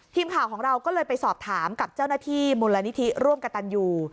ทีมข่าวของเราก็เลยไปสอบถามกับเจ้าหน้าที่มูลนิธิร่วมกับตันยู